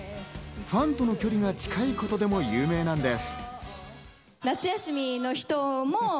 ファンとの距離が近いことでも有名なんです。